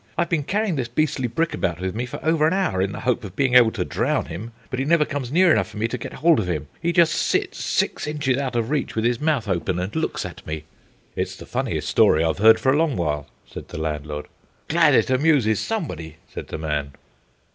I've been carrying this beastly brick about with me for over an hour, in the hope of being able to drown him, but he never comes near enough for me to get hold of him. He just sits six inches out of reach with his mouth open, and looks at me." "It's the funniest story I've heard for a long while," said the landlord. "Glad it amuses somebody," said the man.